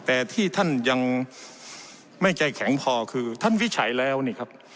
แต่ที่ท่านยังไม่ใจแข็งพอคือท่านวิจัยแล้วนี่ครับ